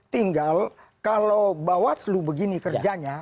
tinggal kalau bawaslu begini kerjanya